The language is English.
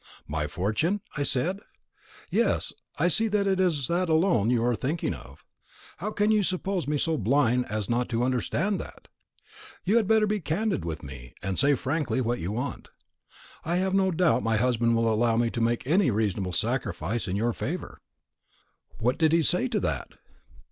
'My fortune?' I said; 'yes, I see that it is that alone you are thinking of. How can you suppose me so blind as not to understand that? You had better be candid with me, and say frankly what you want. I have no doubt my husband will allow me to make any reasonable sacrifice in your favour.'" "What did he say to that?"